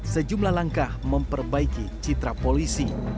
sejumlah langkah memperbaiki citra polisi